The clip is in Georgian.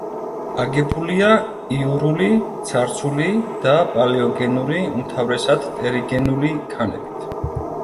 აგებულია იურული, ცარცული და პალეოგენური, უმთავრესად ტერიგენული ქანებით.